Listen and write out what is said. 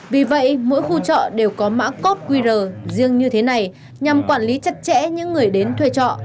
vì vậy mỗi khu chợ đều có mã code qr riêng như thế này nhằm quản lý chặt chẽ những người đến thuê trọ